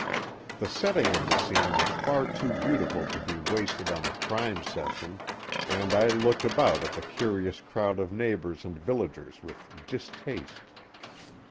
The setting of the scene was far too beautiful to be wasted on a crime session and I looked about at the curious crowd of neighbours and villagers with distaste.